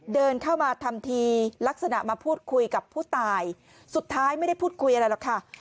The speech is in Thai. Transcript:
เดินเข้ามาทำทีลักษณะมาพูดคุยกับผู้ตายสุดท้ายไม่ได้พูดคุยอะไรหรอกค่ะ